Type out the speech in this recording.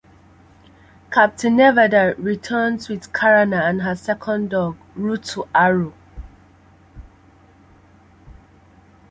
Captain Nidever returns with Karana and her second dog, Rontu-Aru.